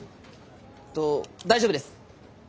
えっと大丈夫です。